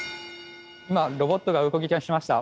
今ロボットが動きだしました。